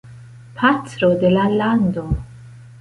Patro de la Lando.